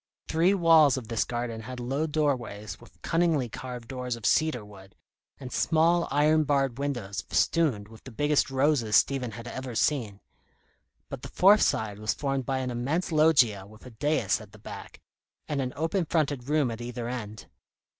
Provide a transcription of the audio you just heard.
Three walls of this garden had low doorways with cunningly carved doors of cedar wood, and small, iron barred windows festooned with the biggest roses Stephen had ever seen; but the fourth side was formed by an immense loggia with a dais at the back, and an open fronted room at either end.